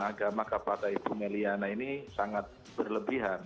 agama kepada ibu may liana ini sangat berlebihan